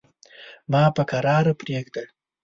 ما په کراره پرېږده.